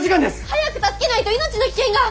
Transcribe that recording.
早く助けないと命の危険が！